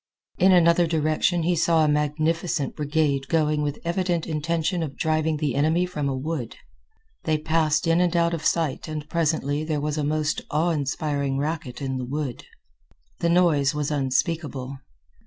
In another direction he saw a magnificent brigade going with the evident intention of driving the enemy from a wood. They passed in out of sight and presently there was a most awe inspiring racket in the wood. The noise was unspeakable.